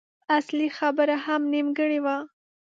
اصلي خبره هم نيمګړې وه.